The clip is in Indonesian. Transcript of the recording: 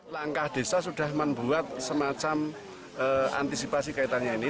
langkah desa sudah membuat semacam antisipasi kaitannya ini